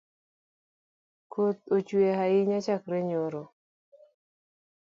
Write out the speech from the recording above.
Koth ochwe ahinya chakre nyoro.